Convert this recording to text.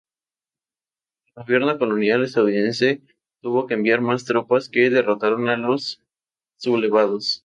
El gobierno colonial estadounidense tuvo que enviar mas tropas que derrotaron a los sublevados.